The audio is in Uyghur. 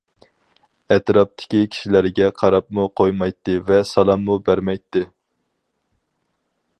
ئەتراپتىكى كىشىلەرگە قاراپمۇ قويمايتتى ۋە سالاممۇ بەرمەيتتى.